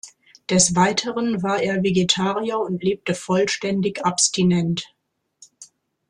Des Weiteren war er Vegetarier und lebte vollständig abstinent.